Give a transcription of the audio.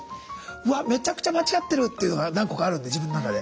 わっめちゃくちゃ間違ってるというのが何個かあるんで自分の中で。